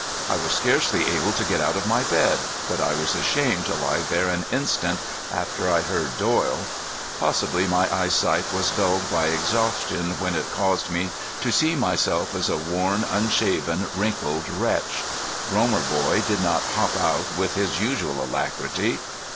I was scarcely able to get out of my bed, but I was ashamed to lie there an instant after I heard Doyle. Possibly my eyesight was dulled by exhaustion when it caused me to see myself as a worn, unshaven, wrinkled wretch. Romer boy did not hop out with his usual alacrity.